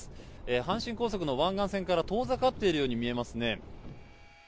阪神高速の湾岸線から遠ざかっているように見えますね。